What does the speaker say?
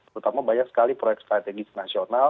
terutama banyak sekali proyek strategis nasional